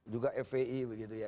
juga fvi begitu ya